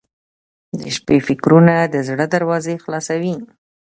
• د شپې فکرونه د زړه دروازې خلاصوي.